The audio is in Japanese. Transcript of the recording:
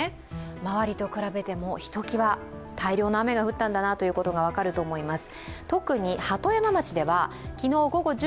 周りと比べてもひときわ大量の雨が降ったんだなということが分かります。